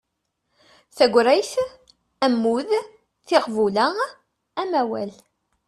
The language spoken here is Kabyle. Tagrayt, ammud, tiɣbula, amawal